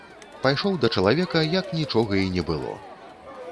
Пайшоў да чалавека, як нічога і не было.